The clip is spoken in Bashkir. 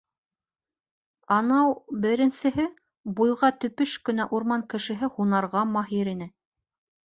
— Анау-у беренсеһе... буйға төпөш кенә урман кешеһе һунарға маһир ине.